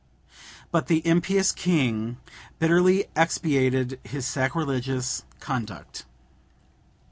But the impious king bitterly expiated his sacrilegious conduct.